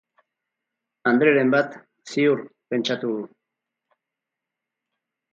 Andreren bat, ziur, pentsatu du.